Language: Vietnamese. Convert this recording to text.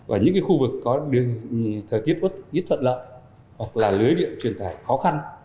ở những khu vực có thời tiết ít thuận lợi hoặc là lưới điện truyền tải khó khăn